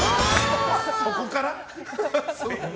そこから？